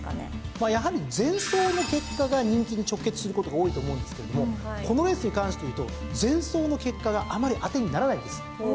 まあやはり前走の結果が人気に直結することが多いと思うんですけれどもこのレースに関していうと前走の結果があまり当てにならないんです。